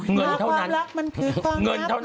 เงินเท่านั้นเงินเท่านั้น